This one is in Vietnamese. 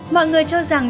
mọi người cho rằng